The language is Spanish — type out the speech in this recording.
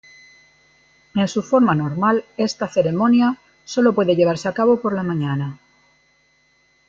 En su forma normal, esta ceremonia sólo puede llevarse a cabo por la mañana.